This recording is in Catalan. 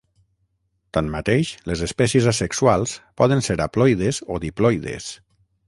Tanmateix, les espècies asexuals poden ser haploides o diploides.